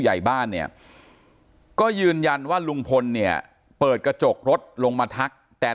ใหญ่บ้านเนี่ยก็ยืนยันว่าลุงพลเนี่ยเปิดกระจกรถลงมาทักแต่